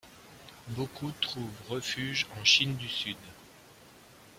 Beaucoup trouvent refuge en Chine du Sud.